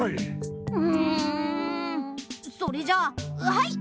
うん。それじゃあはい！